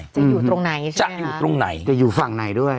อยู่ตรงไหนใช่ไหมจะอยู่ตรงไหนจะอยู่ฝั่งไหนด้วย